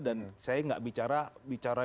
dan saya gak bicara